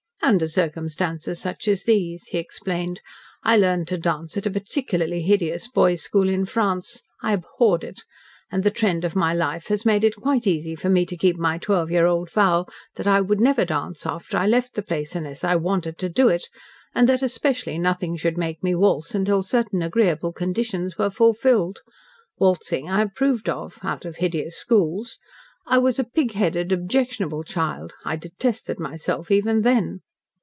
"Under circumstances such as these," he explained. "I learned to dance at a particularly hideous boys' school in France. I abhorred it. And the trend of my life has made it quite easy for me to keep my twelve year old vow that I would never dance after I left the place, unless I WANTED to do it, and that, especially, nothing should make me waltz until certain agreeable conditions were fulfilled. Waltzing I approved of out of hideous schools. I was a pig headed, objectionable child. I detested myself even, then."